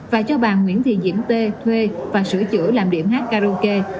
và cho bà nguyễn thị diễm tê thuê và sửa chữa làm điểm hát karaoke